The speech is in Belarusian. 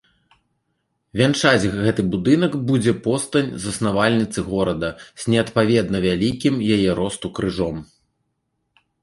Вянчаць гэты будынак будзе постаць заснавальніцы горада з неадпаведна вялікім яе росту крыжом.